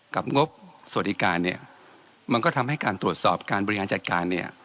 งบสวัสดิการเนี่ยมันก็ทำให้การตรวจสอบการบริหารจัดการเนี่ย